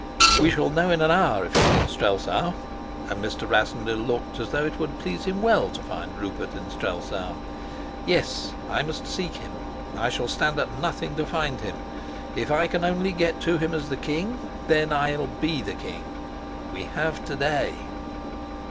"We shall know in an hour, if he's in Strelsau," and Mr. Rassendyll looked as though it would please him well to find Rupert in Strelsau. "Yes, I must seek him. I shall stand at nothing to find him. If I can only get to him as the king, then I'll be the king. We have to day!"